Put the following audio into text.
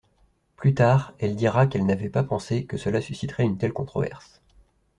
Plus tard, elle dira qu'elle n'avait pas pensé que cela susciterait une telle controverse.